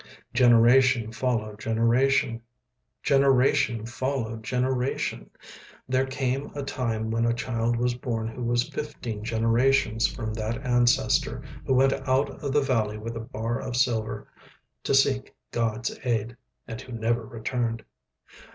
Generation followed generation. Generation followed generation. There came a time when a child was born who was fifteen generations from that ancestor who went out of the valley with a bar of silver to seek God's aid, and who never returned.